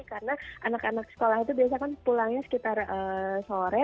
karena anak anak sekolah itu biasanya kan pulangnya sekitar sore